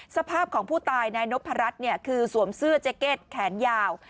สภาพของผู้ตายนายนพรัชคือสวมเสื้อเจ๊เก็ตแขนยาว